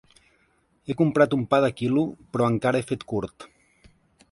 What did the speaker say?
He comprat un pa de quilo, però encara he fet curt.